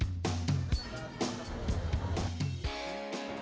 terima kasih pak